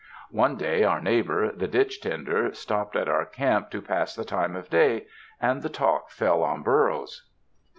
One day our neighbor, the ditch tender, stopped at our camp to pass the time of day, and the talk fell on burros.